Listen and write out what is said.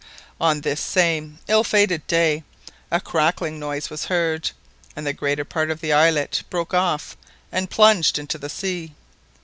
On this same ill fated day a crackling noise was heard, and the greater part of the islet broke off, and plunged into the sea.